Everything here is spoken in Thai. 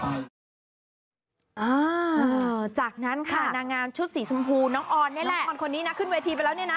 จากนั้นค่ะนางงามชุดสีชมพูน้องออนนี่แหละคนคนนี้นะขึ้นเวทีไปแล้วเนี่ยนะ